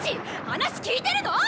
話聞いてるの？